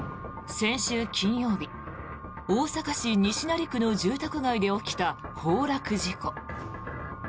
先週金曜日大阪市西成区の住宅街で起きた崩落事故。